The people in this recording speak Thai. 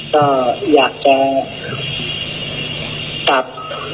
ก็อยากจะกลับ